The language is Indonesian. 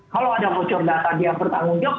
kalau ada bocor data dia bertanggung jawab